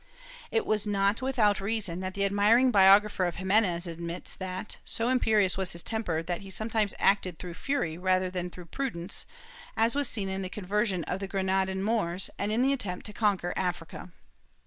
It was not without reason that the admiring biographer of Ximenes admits that, so imperious was his temper that he sometimes acted through fury rather than through prudence, as was seen in the conversion of the Granadan Moors and in the attempt to conquer Africa.